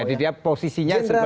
jadi dia posisinya sebelumnya